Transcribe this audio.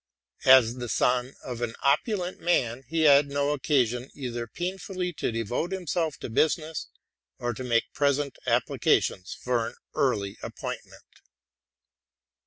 As the son of an opulent man, he had no ocea sion, either painfully to devote himself to business, or to make pressing applications for an early appointment.